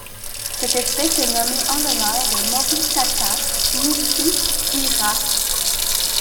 Cette espèce est nommée en l'honneur de Moritaka Nishihira.